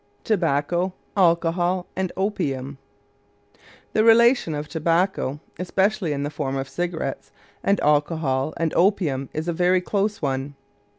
TOBACCO, ALCOHOL, AND OPIUM The relation of tobacco, especially in the form of cigarettes, and alcohol and opium is a very close one.